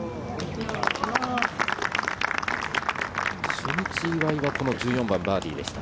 初日、岩井は１４番、バーディーでした。